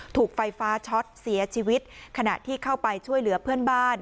ถูกไฟฟ้าช็อตเสียชีวิตขณะที่เข้าไปช่วยเหลือเพื่อนบ้าน